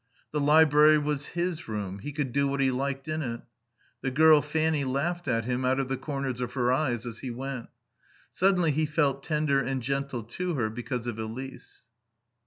The library was his room. He could do what he liked in it. The girl Fanny laughed at him out of the corners of her eyes as he went. Suddenly he felt tender and gentle to her, because of Elise.